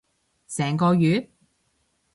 成個月？